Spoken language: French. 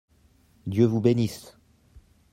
Dieu vous bénisse.